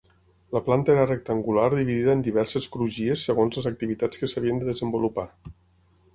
La planta era rectangular dividida en diverses crugies segons les activitats que s'havien de desenvolupar.